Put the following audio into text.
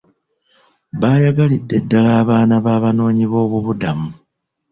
Baayagalidde ddaala abaana b'abanoonyiboobubudamu.